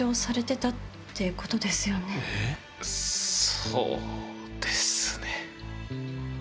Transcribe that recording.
そうですね。